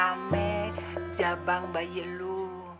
ame jabang bayi lo